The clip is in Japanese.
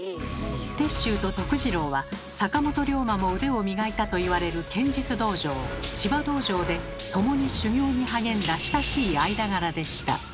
鉄舟と治郎は坂本龍馬も腕を磨いたといわれる剣術道場「千葉道場」で共に修行に励んだ親しい間柄でした。